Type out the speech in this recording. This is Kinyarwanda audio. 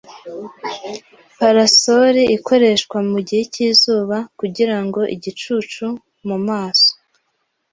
Parasol ikoreshwa mugihe cyizuba kugirango igicucu mumaso.